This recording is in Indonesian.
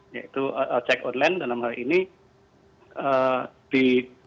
yaitu check online dalam hal ini